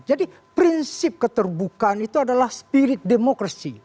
jadi prinsip keterbukaan itu adalah spirit demokrasi